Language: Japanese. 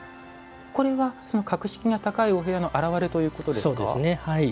これは格式が高いお部屋の表れということですか。